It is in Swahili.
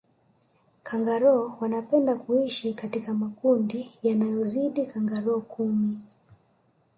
kangaroo wanapenda kuishi katika makundi yanayozidi kangaroo kumi